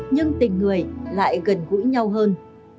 nhưng tình người lại gần gũi nhau hơn